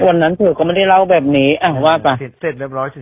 วันนั้นผัวก็ไม่ได้เล่าแบบนี้ว่าป่าเสร็จเรียบร้อยเฉ